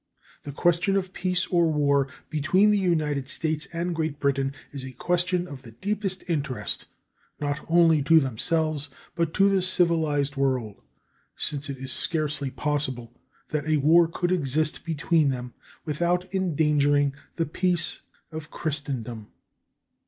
The question of peace or war between the United States and Great Britain is a question of the deepest interest, not only to themselves, but to the civilized world, since it is scarcely possible that a war could exist between them without endangering the peace of Christendom.